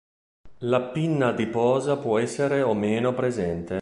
La pinna adiposa può essere o meno presente.